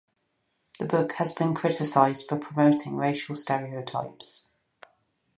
The book has been criticized for promoting racial stereotypes.